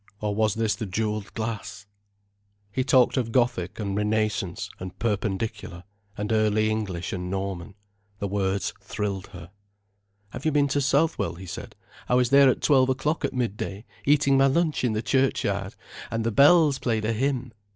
Or was this the jewelled glass? He talked of Gothic and Renaissance and Perpendicular, and Early English and Norman. The words thrilled her. "Have you been to Southwell?" he said. "I was there at twelve o'clock at midday, eating my lunch in the churchyard. And the bells played a hymn.